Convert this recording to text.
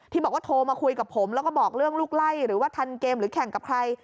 บอกว่าโทรมาคุยกับผมแล้วก็บอกเรื่องลูกไล่หรือว่าทันเกมหรือแข่งกับใคร